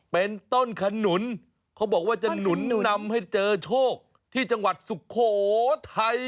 เป็นต้นขนุนเขาบอกว่าจะหนุนนำให้เจอโชคที่จังหวัดสุโขทัย